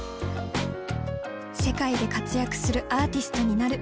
世界で活躍するアーティストになる。